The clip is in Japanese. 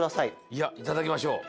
いただきましょう。